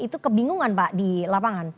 itu kebingungan pak di lapangan